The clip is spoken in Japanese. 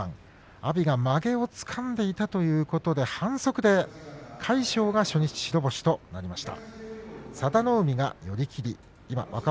阿炎がまげをつかんでいたということで反則で魁勝が初日白星になりました。